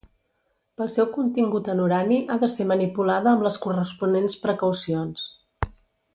Pel seu contingut en urani ha de ser manipulada amb les corresponents precaucions.